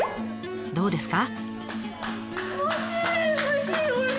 どうですか？